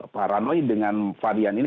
paranoid dengan varian ini